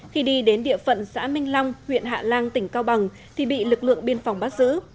khi đi đến địa phận xã minh long huyện hạ lan tỉnh cao bằng thì bị lực lượng biên phòng bắt giữ